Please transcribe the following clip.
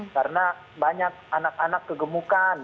karena banyak anak anak kegemukan misalnya